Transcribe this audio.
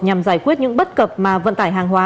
nhằm giải quyết những bất cập mà vận tải hàng hóa